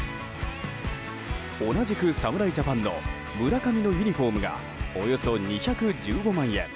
同じく侍ジャパンの村上のユニホームがおよそ２１５万円